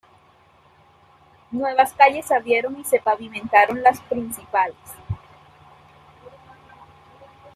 Nuevas calles se abrieron y se pavimentaron las principales.